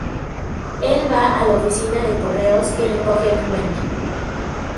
Él va a la oficina de correos y recoge el cuento.